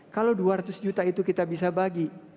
kalau dua ratus juta itu kita bisa bagi